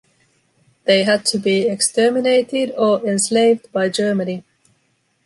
They had to be exterminated or enslaved by Germany.